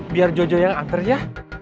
biar jojo yang anter ya